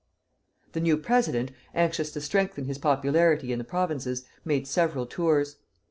The new president, anxious to strengthen his popularity in the provinces, made several tours.